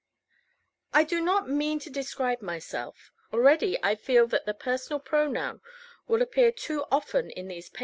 I do not mean to describe myself. Already I feel that the personal pronoun will appear too often in these pages.